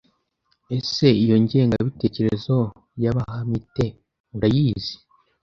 Ese iyo ngengabitekerezo y’abahamite urayizi